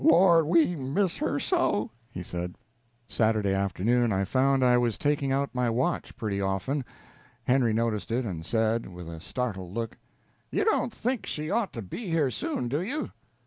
"Lord, we miss her so!" he said. Saturday afternoon I found I was taking out my watch pretty often. Henry noticed it, and said, with a startled look: "You don't think she ought to be here soon, do you?"